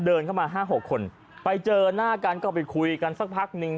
เดินเข้ามาห้าหกคนไปเจอหน้ากันก็ไปคุยกันสักพักหนึ่ง